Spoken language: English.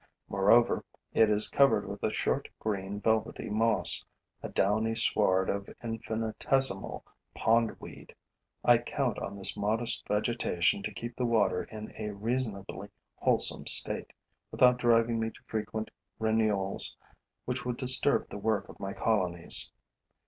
Moreover, it is covered with a short, green, velvety moss, a downy sward of infinitesimal pond weed. I count on this modest vegetation to keep the water in a reasonably wholesome state, without driving me to frequent renewals which would disturb the work of my colonies.